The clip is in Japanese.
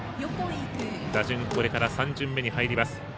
打順これから３巡目に入ります。